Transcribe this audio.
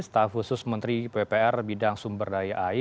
staf khusus menteri ppr bidang sumber daya air